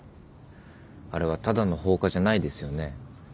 あれはただの放火じゃないですよね。